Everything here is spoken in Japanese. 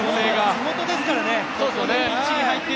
地元ですからね。